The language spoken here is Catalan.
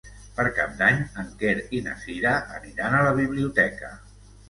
Per Cap d'Any en Quer i na Cira aniran a la biblioteca.